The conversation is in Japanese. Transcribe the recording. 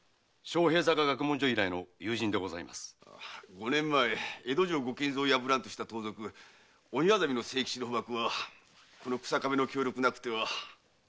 五年前江戸城ご金蔵を破らんとした盗賊・鬼薊の清吉の捕縛はこの日下部の協力なくては不可能でございました。